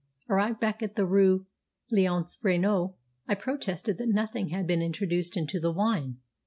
"Arrived back at the Rue Léonce Reynaud, I protested that nothing had been introduced into the wine.